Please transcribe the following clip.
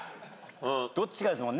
どっちかですもんね。